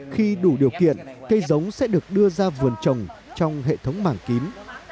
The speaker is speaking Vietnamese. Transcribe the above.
khi đủ điều kiện cây giống sẽ được đưa ra vườn trồng trong hệ thống mảng kín